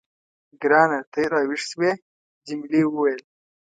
ګرانه، ته راویښ شوې؟ جميلې وويل:.